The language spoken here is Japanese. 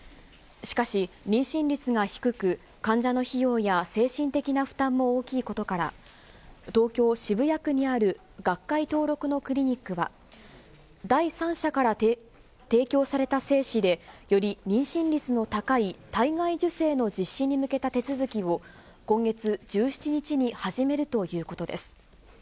しかし、妊娠率が低く、患者の費用や精神的な負担も大きいことから、東京・渋谷区にある学会登録のクリニックは、第三者から提供された精子で、より妊娠率の高い体外受精の実施に向けた手続きを今月１７日に始めるということです。